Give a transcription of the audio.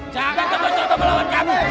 jangan kebosotan melawan kami